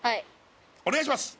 お願いします